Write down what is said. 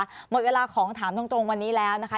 หมดเวลาของถามตรงวันนี้แล้วนะคะ